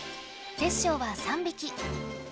テッショウは３びき。